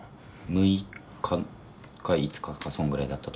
６日か５日かそんぐらいだったと思います。